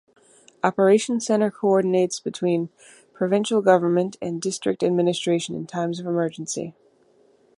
Operation Center coordinates between provincial government and District administration in times of emergency.